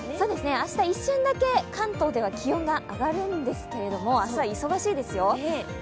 明日一瞬だけ、関東では気温上がるんですけど明日は忙しいですよ。